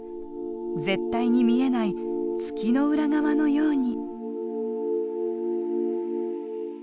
絶対に見えない月の裏側のように。